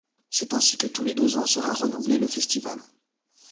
C’est ainsi que tous les deux ans sera renouvelé le festival.